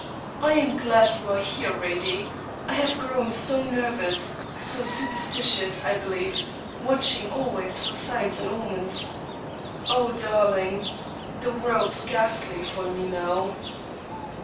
I am glad you are here, Radie I have grown so nervous so superstitious, I believe; watching always for signs and omens. Oh, darling, the world's ghastly for me now.'